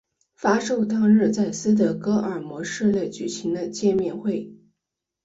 发售当日在斯德哥尔摩市内举行了见面会。